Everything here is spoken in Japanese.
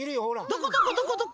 どこどこどこどこ？